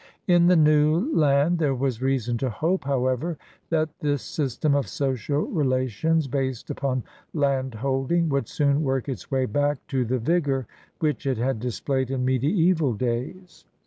In the new land there was reason to hope, how ever, that this system of social relations based upon landholding would soon work its way back to the vigor which it had displayed in mediaeval days.